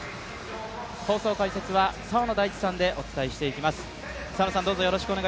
放送解説は澤野大地さんでお伝えしていきます。